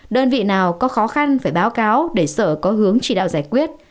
đơn vị nào có khó khăn phải báo cáo để sở có hướng chỉ đạo giải quyết